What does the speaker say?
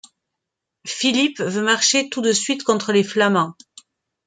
Philippe veut marcher tout de suite contre les Flamands.